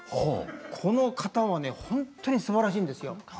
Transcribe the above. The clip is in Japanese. この方は本当にすばらしいんですよ。